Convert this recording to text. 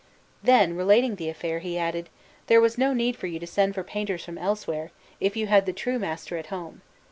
Then, relating the affair, he added: "There was no need for you to send for painters from elsewhere, if you had the true master at home.